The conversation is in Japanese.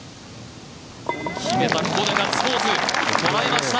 決めた、ここでガッツポーズ、捉えました。